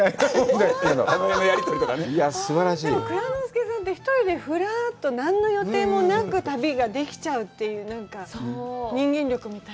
でも、蔵之介さんって、１人でふらっと何の予定もなく旅ができちゃうという人間力みたいな。